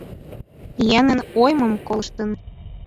Еҥын ойым колыштын